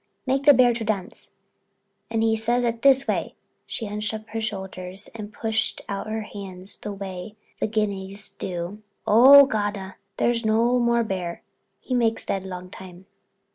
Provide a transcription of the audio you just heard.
Make the bear to dance.' And he says this way"—she hunched up her shoulders and pushed out her hands the way the Guineas do—"'Oh, Gawda, there is no more bear; he makes dead long time.'"